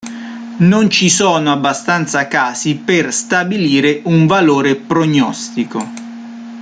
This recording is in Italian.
Non ci sono abbastanza casi per stabilire un valore prognostico.